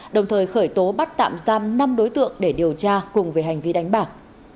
đồng thời khởi tố bắt tạm giam năm đối tượng để điều tra cùng về hành vi đánh bạc